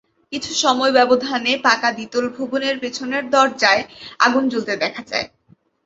কিছু সময় ব্যবধানে পাকা দ্বিতল ভবনের পেছনের দরজায় আগুন জ্বলতে দেখা যায়।